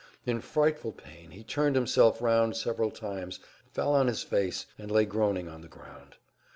In frightful pain he turned himself round several times, fell on his face, and lay groaning on the ground.